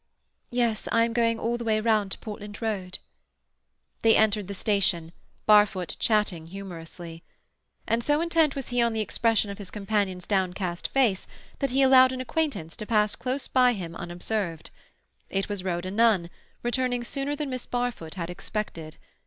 "Yes. I am going all the way round to Portland Road." They entered the station, Barfoot chatting humorously. And, so intent was he on the expression of his companion's downcast face, that he allowed an acquaintance to pass close by him unobserved. It was Rhoda Nunn, returning sooner than Miss Barfoot had expected.